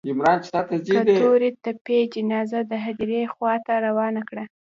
که تورې تپې جنازه د هديرې خوا ته روانه کړه.